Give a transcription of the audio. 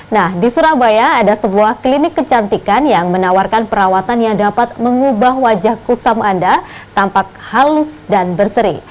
nah di surabaya ada sebuah klinik kecantikan yang menawarkan perawatan yang dapat mengubah wajah kusam anda tampak halus dan berseri